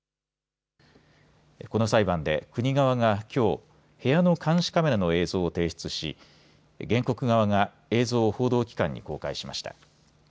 この裁判で国側がきょう、部屋の監視カメラの映像を提出し原告側が映像を報道機関に公開しました。